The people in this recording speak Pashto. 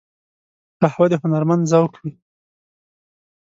قهوه د هنرمند ذوق وي